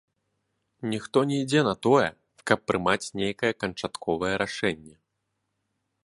Ніхто не ідзе на тое, каб прымаць нейкае канчатковае рашэнне.